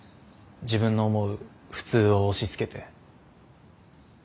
自分の思う「普通」を押しつけて。